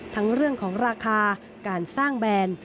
ทั้งเรื่องของราคาการสร้างแบรนด์